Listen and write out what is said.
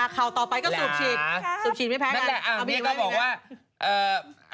ข่าวต่อไปก็สูบฉีดสูบฉีดไม่แพ้กันเอามีอีกแม่ไหมนั่นแหละอันนี้ก็บอกว่า